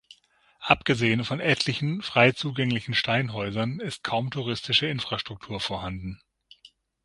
Abgesehen von etlichen, frei zugänglichen Steinhäusern ist kaum touristische Infrastruktur vorhanden.